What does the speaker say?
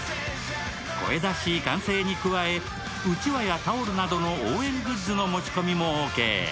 声出し、歓声に加え、うちわやタオルなどの応援グッズの持ち込みもオーケー。